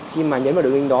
khi mà nhấn vào đường link đó